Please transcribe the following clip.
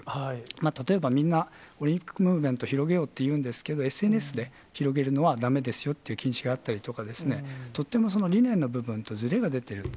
例えばみんな、オリンピックムーブメント広げようって言うんですけれども、ＳＮＳで広げるのはだめですよって、禁止があったりとか、とっても理念の部分とずれが出ている。